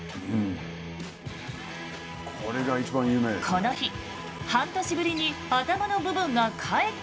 この日半年ぶりに頭の部分が帰ってきたんです。